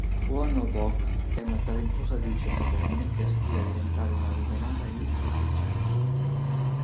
Kwon Oh-bok è una talentuosa diciannovenne che aspira a diventare una rinomata illustratrice.